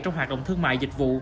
trong hoạt động thương mại dịch vụ